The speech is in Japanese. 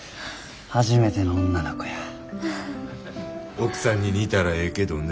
奥さんに似たらええけどな。